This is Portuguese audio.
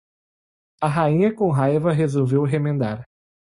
a rainha com raiva resolveu remendar